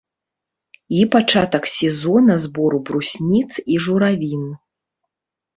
І пачатак сезона збору брусніц і журавін.